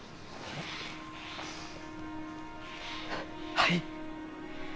はい。